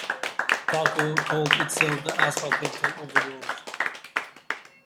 Talco called itself the Asphalt capital of the world.